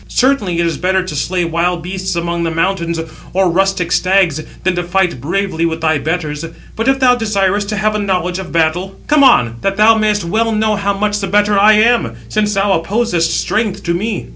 Certainly it is better to slay wild beasts among the mountains, or rustic stags, than to fight bravely with thy betters. But if thou desirest to have a knowledge of battle, come on, that thou mayest well know how much the better I am; since thou opposest strength to me."